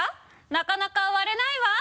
なかなか割れないわ」